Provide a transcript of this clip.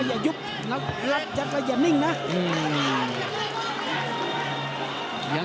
ยัดระยะยุบยัดระยะนิ่งนะ